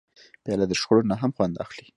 پیاله د شخړو نه هم خوند اخلي.